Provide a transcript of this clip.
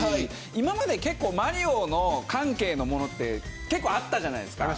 今まで結構マリオ関係のもの結構あったじゃないですか。